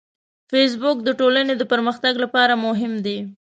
فېسبوک د ټولنې د پرمختګ لپاره مهم دی